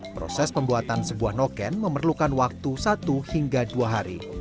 proses pembuatan sebuah noken memerlukan waktu satu hingga dua hari